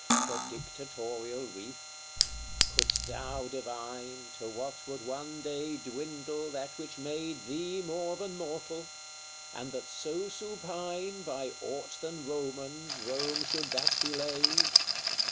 The dictatorial wreath, couldst thou divine To what would one day dwindle that which made Thee more than mortal? and that so supine By aught than Romans Rome should thus be laid?